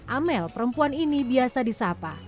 amel perempuan ini biasa disapa